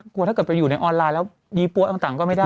ถ้าเกิดไปอยู่ในออนไลน์แล้วยี่ปั๊วต่างก็ไม่ได้